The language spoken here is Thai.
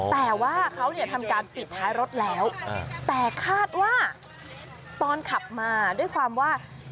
แต่ว่าเขาเนี่ยทำการปิดท้ายรถแล้วแต่คาดว่าตอนขับมาด้วยความว่า